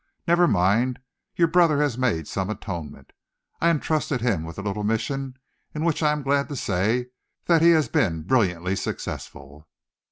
Never mind, your brother has made some atonement. I entrusted him with a little mission in which I am glad to say that he has been brilliantly successful."